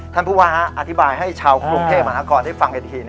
ท่านผู้ว่าอธิบายให้ชาวกรุงเทพมาก่อนให้ฟังกันที